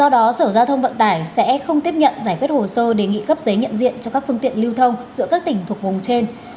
do đó sở giao thông vận tải sẽ không tiếp nhận giải quyết hồ sơ đề nghị cấp giấy nhận diện cho các phương tiện lưu thông giữa các tỉnh thuộc vùng trên